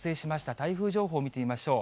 台風情報を見てみましょう。